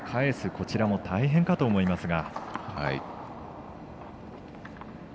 こちらも大変かと思いますが。